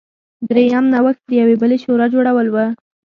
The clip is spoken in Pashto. دویم نوښت د یوې بلې شورا جوړول و.